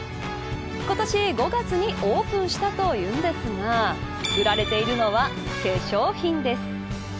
今年５月にオープンしたというのですが売られているのは化粧品です。